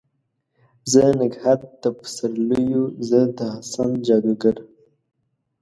زه نګهت د پسر لیو، زه د حسن جادوګره